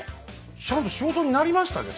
ちゃんと仕事になりましたですか？